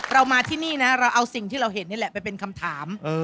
เรามาที่นี่นะเราเอาสิ่งที่เราเห็นนี่แหละไปเป็นคำถาม